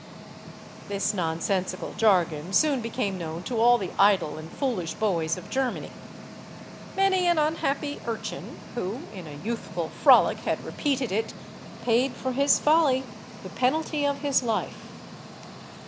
This nonsensical jargon soon became known to all the idle and foolish boys of Germany. Many an unhappy urchin, who in a youthful frolic had repeated it, paid for his folly the penalty of his life.